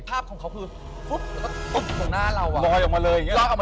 ภาพของเขาคือฟุ๊บ